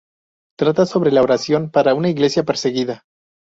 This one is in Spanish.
Trata sobre la oración para una Iglesia perseguida.